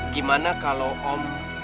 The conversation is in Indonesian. gimana kalau om